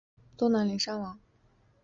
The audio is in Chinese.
东南邻山王。